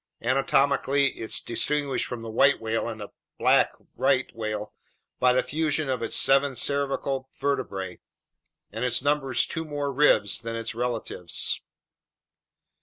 Anatomically, it's distinguished from the white whale and the black right whale by the fusion of its seven cervical vertebrae, and it numbers two more ribs than its relatives.